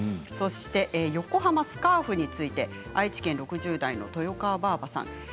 そして横浜スカーフについて愛知県６０代の方からです。